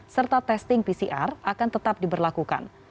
serta testing pcr akan tetap diberlakukan